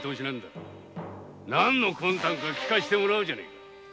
何の魂胆か聞かせてもらおうか。